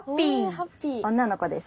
女の子です。